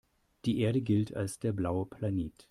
Die Erde gilt als der „blaue Planet“.